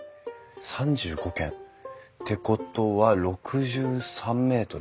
３５間。ってことは６３ｍ！